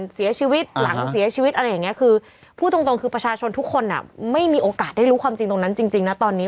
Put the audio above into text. เสียชีวิตหลังเสียชีวิตอะไรอย่างนี้คือพูดตรงคือประชาชนทุกคนไม่มีโอกาสได้รู้ความจริงตรงนั้นจริงนะตอนนี้